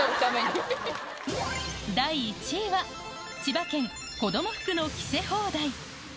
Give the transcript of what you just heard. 第１位は千葉県、子ども服の着せ放題。